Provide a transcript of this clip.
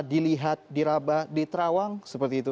dilihat diraba diterawang seperti itu